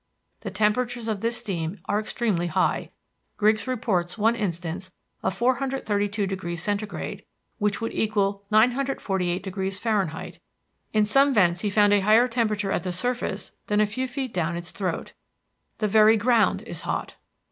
The temperatures of this steam are extremely high; Griggs reports one instance of 432 degrees Centigrade, which would equal 948 degrees Fahrenheit; in some vents he found a higher temperature at the surface than a few feet down its throat. The very ground is hot.